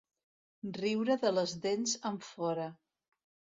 Riure de les dents enfora.